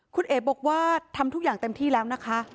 คุณเอ๋บอกว่าทำทุกอย่างเต็มที่แล้วนะคะ